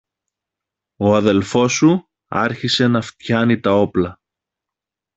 ο αδελφός σου άρχισε να φτιάνει τα όπλα